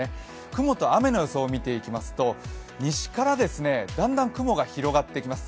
雲と雨の予想を見ていきますと西からだんだん雲が広がってきます。